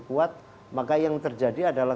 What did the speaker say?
kuat maka yang terjadi adalah